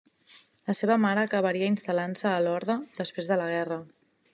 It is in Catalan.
La seva mare acabaria instal·lant-se a Lorda després de la guerra.